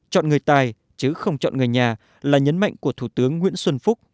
chọn người tài chứ không chọn người nhà là nhấn mạnh của thủ tướng nguyễn xuân phúc